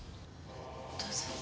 どうぞ。